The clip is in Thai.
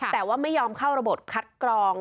แต่ว่าไม่ยอมเข้าระบบคัดกรอง